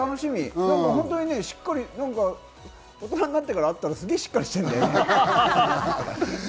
本当にしっかり大人になってから会ったら、すげぇしっかりしてるんだよね。